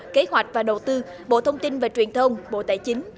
kế hoạch và đầu tư bộ thông tin và truyền thông bộ tài chính